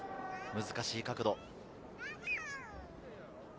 難しい角度。